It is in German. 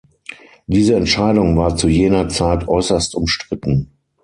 Diese Entscheidung war zu jener Zeit äußerst umstritten.